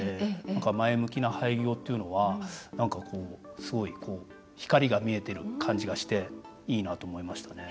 前向きな廃業っていうのはすごい光が見えてる感じがしていいなと思いましたね。